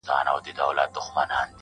o خپله ژبه هم کلا ده، هم بلا!